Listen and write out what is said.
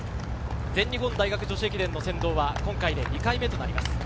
全日本大学女子駅伝の先導は今回で２回目となります。